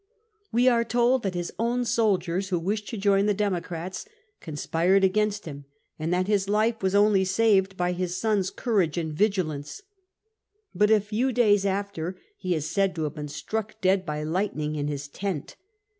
We are told that his own soldiers (who wished to join the Democrats) conspired against him, and that his life was only saved by his son's courage and vigilance. But a few days after he is said to have been struck dead by lightning in his tent.